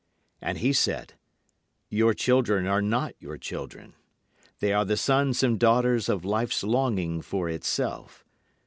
And he said: Your children are not your children. They are the sons and daughters of Life's longing for itself.